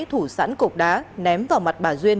thủ sẵn cục đá ném vào mặt bà duyên